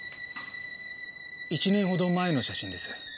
１年ほど前の写真です。